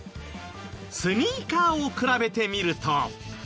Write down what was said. スニーカーを比べてみると。